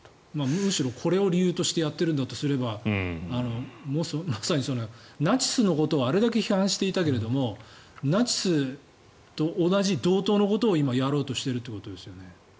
むしろこれを理由としてやってるんだとすればまさに、ナチスのことをあれだけ批判していたけどもナチスと同じ、同等のことを今やろうとしているということですよね。